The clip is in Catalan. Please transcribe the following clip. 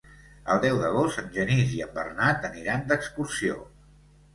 El deu d'agost en Genís i en Bernat aniran d'excursió.